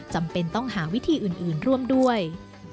จำเป็นต้องหาวิธีอื่นร่วมด้วย